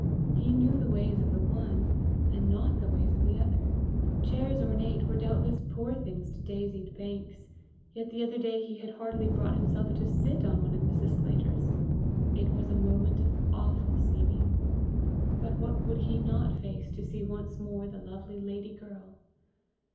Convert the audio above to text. He knew the ways of the one, and not the ways of the other. Chairs ornate were doubtless poor things to daisied banks, yet the other day he had hardly brought himself to sit on one of Mrs. Sclater's! It was a moment of awful seeming. But what would he not face to see once more the lovely lady girl!